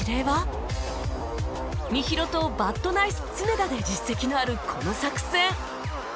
みひろとバッドナイス常田で実績のあるこの作戦